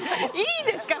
いいんですか？